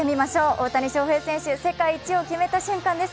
大谷翔平選手、世界一を決めた瞬間です。